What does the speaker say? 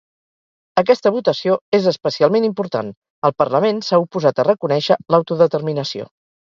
Aquesta votació és especialment important: el parlament s’ha oposat a reconèixer l’autodeterminació.